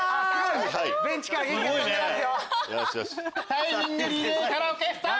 タイミングリレーカラオケスタート！